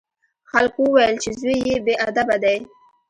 خلکو وویل چې زوی یې بې ادبه دی.